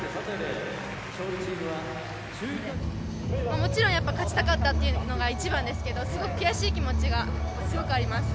もちろん勝ちたかったというのが一番ですけどすごく悔しい気持ちがあります。